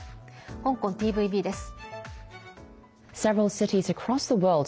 香港ＴＶＢです。